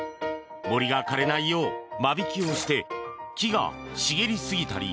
森が枯れないよう間引きをして木が茂りすぎたり